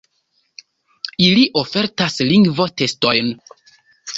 Ili ofertas lingvo-testojn.